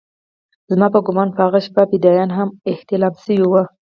زما په ګومان په هغه شپه فدايان هم احتلام سوي وو.